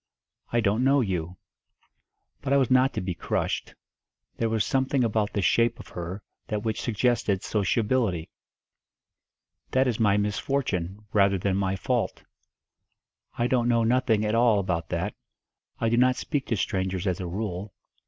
"I don't know you." But I was not to be crushed; there was something about the shape of her that which suggested sociability. "That is my misfortune, rather than my fault." "I don't know nothing at all about that. I do not speak to strangers as a rule.